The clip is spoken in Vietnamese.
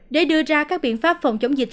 để đưa ra các biện pháp phòng chống dịch